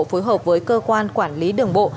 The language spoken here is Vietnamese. phối hợp với cơ quan quản lý đường bộ